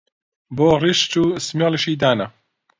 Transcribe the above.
بۆ ڕیش چوو سمێڵیشی دانا